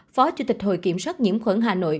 phó chủ tịch hội kiểm soát nhiễm khuẩn hà nội